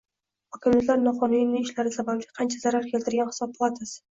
Hokimliklar noqonuniy ishlari sababli qancha zarar keltirilgan Hisob palatasi